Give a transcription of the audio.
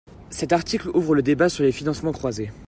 Cet article ouvre le débat sur les financements croisés.